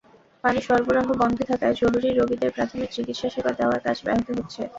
পানি সরবরাহ বন্ধ থাকায় জরুরি রোগীদের প্রাথমিক চিকিৎসাসেবা দেওয়ার কাজ ব্যাহত হচ্ছে।